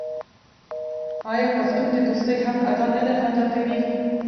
آیا پښتون د دوستۍ حق ادا نه کوي؟